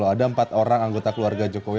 ada empat orang anggota keluarga jokowi